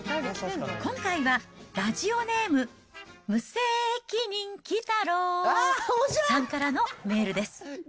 今回はラジオネーム、無責任鬼太郎さんからのメールです。